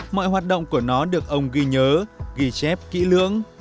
mọi hoạt động của nó được ông ghi nhớ ghi chép kỹ lưỡng